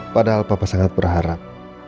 padahal papa sangat berharap